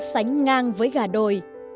sánh ngang với gà đồi